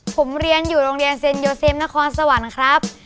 ผมเรียนอยู่โรงเรียนเซ็นโยเซียมนครสวรรค์ครับ